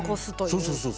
そうそうそうそう。